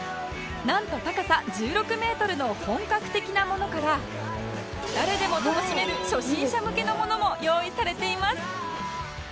なんと高さ１６メートルの本格的なものから誰でも楽しめる初心者向けのものも用意されています